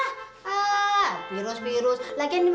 lagi masakan kan buat gua